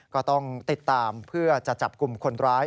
ก็ต้องติดตามเพื่อจะจับกลุ่มคนร้าย